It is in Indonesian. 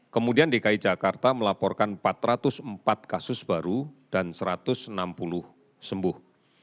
kemudian dki jakarta melaporkan empat ratus empat kasus baru dan satu ratus enam puluh sembuh